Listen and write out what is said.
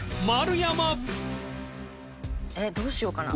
えっどうしようかな。